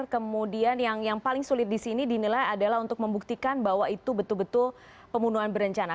kemudian yang paling sulit di sini dinilai adalah untuk membuktikan bahwa itu betul betul pembunuhan berencana